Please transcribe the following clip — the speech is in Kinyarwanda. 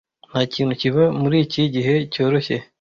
ntakintu kiva muriki gihe cyoroshye